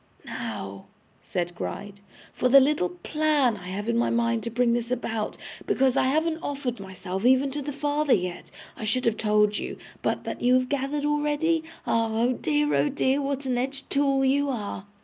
'Now,' said Gride, 'for the little plan I have in my mind to bring this about; because, I haven't offered myself even to the father yet, I should have told you. But that you have gathered already? Ah! oh dear, oh dear, what an edged tool you are!